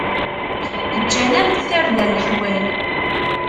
Ǧǧan-am-d tarda leḥwal.